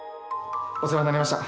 お世話になりました。